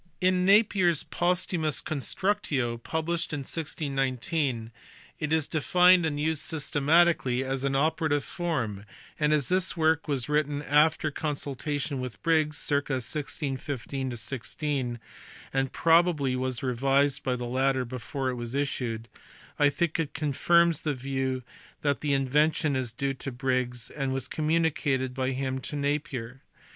In Napier s posthumous Constructio published in 1619 it is denned and used systematically as an operative form, and as this work was written after consultation with Briggs, circ. 1615 6, and probably was revised by the latter before it was issued, 1 think it confirms the view that the invention is due to Briggs and was communicated by him to Napier.